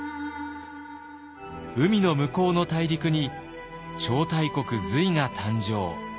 海の向こうの大陸に超大国隋が誕生。